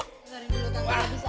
dengarin dulu tante gak bisa